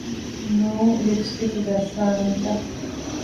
ނޫ ލިޕްސްޓިކް ޖައްސާނަންތަ؟